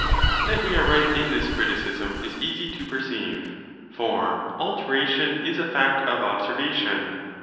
That we are right in this criticism is easy to perceive. For 'alteration' is a fact of observation.